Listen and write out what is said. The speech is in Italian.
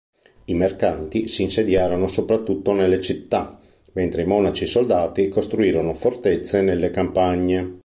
I mercanti si insediarono soprattutto nelle città, mentre i monaci-soldati costruirono fortezze nelle campagne.